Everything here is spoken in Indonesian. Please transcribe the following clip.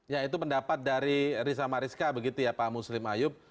ya itu pendapat dari riza mariska begitu ya pak muslim ayub